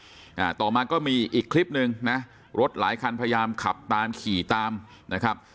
อ่าต่อมาก็มีอีกคลิปหนึ่งนะรถหลายคันพยายามขับตามขี่ตามนะครับ